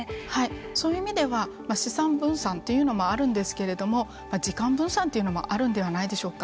そういう意味では資産分散というのもあるんですけれども時間分散というのもあるのではないでしょうか。